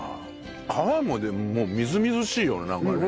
皮もでももうみずみずしいよねなんかね。